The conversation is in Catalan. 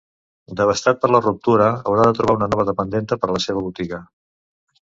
Devastat per la ruptura haurà de trobar una nova dependenta per a la seva botiga.